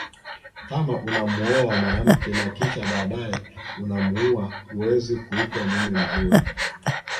Kama unamuoa mwanamke na kisha baadae unamuua huwezi kuitwa mume mzuri